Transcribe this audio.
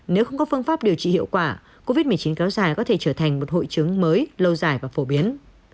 nếu không có phương pháp điều trị hiệu quả covid một mươi chín kéo dài có thể trở thành một hội chứng mới lâu dài và phổ biến